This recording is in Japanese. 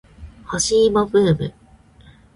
干し芋ブーム